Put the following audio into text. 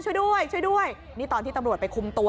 ช่วยด้วยช่วยด้วยนี่ตอนที่ตำรวจไปคุมตัว